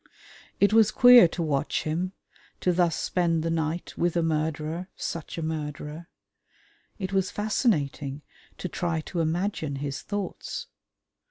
It was queer to watch him, to thus spend the night with a murderer, such a murderer! It was fascinating to try to imagine his thoughts.